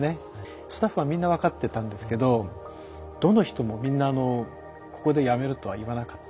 スタッフはみんな分かってたんですけどどの人もみんなここでやめるとは言わなかった。